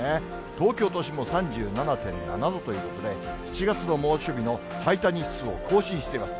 東京都心も３７．７度ということで、７月の猛暑日の最多日数を更新しています。